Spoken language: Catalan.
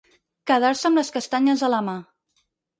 Quedar-se amb les castanyes a la mà.